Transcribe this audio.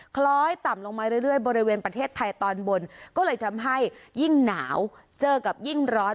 คล้อยต่ำลงมาเรื่อยบริเวณประเทศไทยตอนบนก็เลยทำให้ยิ่งหนาวเจอกับยิ่งร้อน